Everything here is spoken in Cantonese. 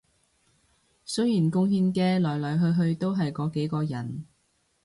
雖然貢獻嘅來來去去都係嗰幾個人